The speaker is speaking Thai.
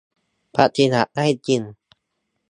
ปฏิบัติได้จริง